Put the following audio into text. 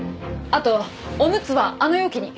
あとおむつはあの容器に。